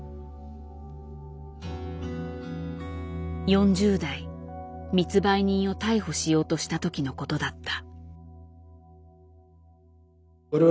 ４０代密売人を逮捕しようとした時のことだった。